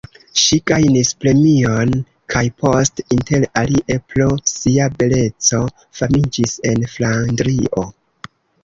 Ŝi gajnis premion kaj post, inter alie pro sia beleco, famiĝis en Flandrio.